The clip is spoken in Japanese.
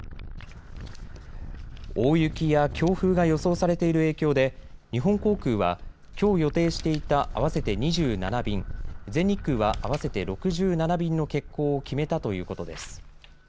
大雪や強風が予想されている影響で日本航空はきょう予定していた合わせて２７便、全日空は合わせて６７便の欠航を決めたということです。